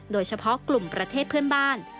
โดยเฉพาะกลุ่มประเทศเพื่อนบ้าน